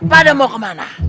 pada mau kemana